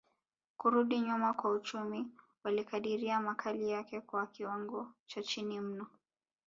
kurudi nyuma kwa uchumi walikadiria makali yake kwa kiwango cha chini mno